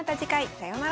さようなら。